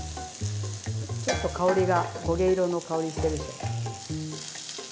ちょっと香りが焦げ色の香りしてるでしょ。